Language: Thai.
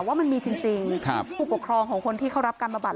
ว่ามันมีจริงผู้ปกครองของคนที่เขารับการประบั